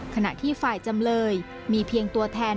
ขณะที่ฝ่ายจำเลยมีเพียงตัวแทน